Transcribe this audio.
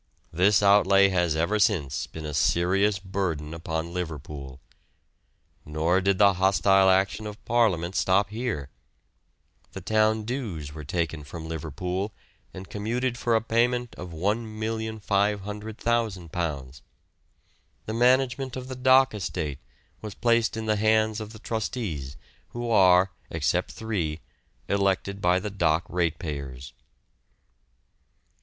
This outlay has ever since been a serious burden upon Liverpool. Nor did the hostile action of Parliament stop here. The town dues were taken from Liverpool, and commuted for a payment of £1,500,000. The management of the dock estate was placed in the hands of the trustees, who are, except three, elected by the dock ratepayers.